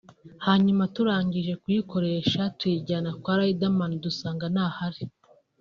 hanyuma turangije kuyikoresha tuyijyana kwa Riderman dusanga ntahari